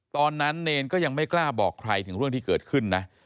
เนรก็ยังไม่กล้าบอกใครถึงเรื่องที่เกิดขึ้นนะ